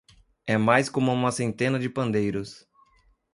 É mais como uma centena de pandeiros.